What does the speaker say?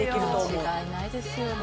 間違いないですよね